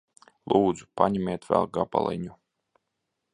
Lūdzu. Paņemiet vēl gabaliņu.